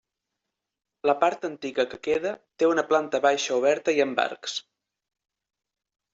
La part antiga que queda té una planta baixa oberta i amb arcs.